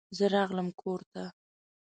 زه راغلم کور ته.